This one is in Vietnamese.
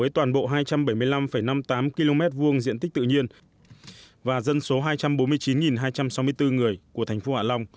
toàn bộ hai trăm bảy mươi năm năm mươi tám km hai diện tích tự nhiên và dân số hai trăm bốn mươi chín hai trăm sáu mươi bốn người của thành phố hạ long